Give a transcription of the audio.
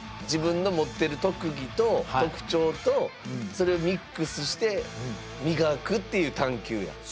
自分の持ってる特技と特徴とそれをミックスして磨くっていう探究や。